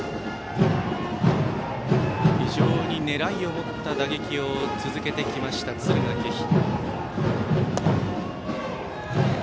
非常に狙いを持った打撃を続けてきました、敦賀気比。